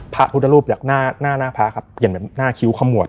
พระพุทธรูปอยากหน้าพระครับเปลี่ยนเป็นหน้าคิ้วขมวด